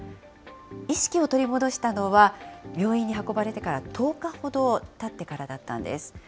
意識を取り戻したのは、病院に運ばれてから１０日ほどたってからだったんです。